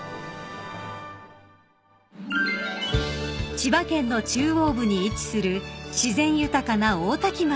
［千葉県の中央部に位置する自然豊かな大多喜町］